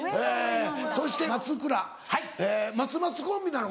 そして松倉松松コンビなのか。